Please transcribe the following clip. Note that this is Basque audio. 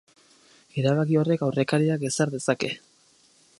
Erabaki horrek aurrekaria ezar dezake.